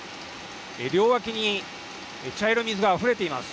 両脇に茶色い水があふれています。